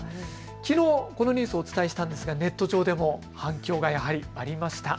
きのう、このニュース、お伝えしたんですがネット上でも反響がやはりありました。